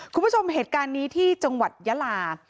คุณผู้ชมเหตุการณ์นี้ที่จังหวัดยาลา